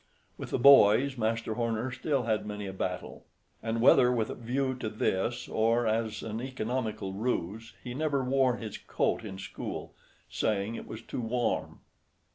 With the boys Master Horner still had many a battle, and whether with a view to this, or as an economical ruse, he never wore his coat in school, saying it was too warm.